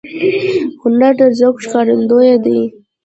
هنر د ذوق ښکارندوی دی